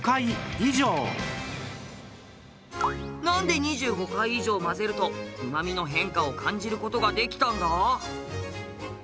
なんで２５回以上混ぜると旨味の変化を感じる事ができたんだ？